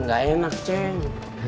enggak enak ceng